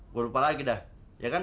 gue lupa lagi dah ya kan